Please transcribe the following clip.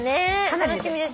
楽しみですね。